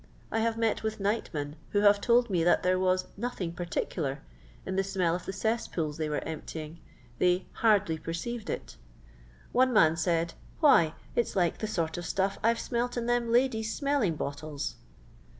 I have met virith nightmen who have told me that there vras " nothing particular" in the smell of the cesspools they were emptying ; they hardly perceived it" One man said, " Why, it's like the sort of stuff I 've smelt in them ladies' smelling bottles."